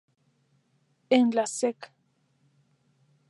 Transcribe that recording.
En la sec.